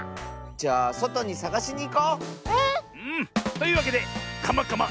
じゃあそとにさがしにいこう！ね！というわけで「カマカマ！